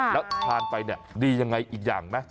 แล้วทานไปเนี่ยดียังไงอีกอย่างไหม